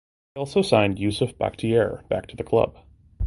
He also signed Yusuf Bachtiar back to the club.